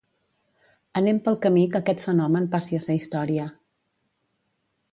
Anem pel camí que aquest fenomen passi a ser història.